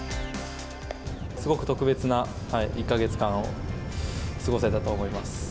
すごく特別な１か月間を過ごせたと思います。